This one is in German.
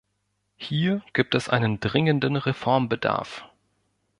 Hier gibt es einen dringenden Reformbedarf.